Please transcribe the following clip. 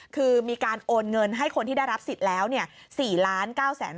คือมีการโอนเงินให้คนที่ได้รับสิทธิ์แล้ว๔ล้าน